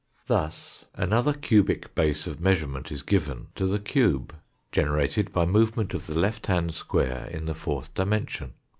Thus another cubic base of measurement is given to the cube, generated by movement of the left hand square in the fourth dimension.